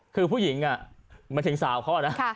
คือผู้หญิงอ่ะมันถึงสาวเขานะ